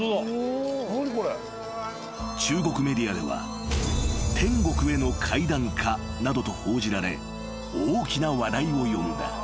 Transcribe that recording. ［中国メディアでは「天国への階段か？」などと報じられ大きな話題を呼んだ］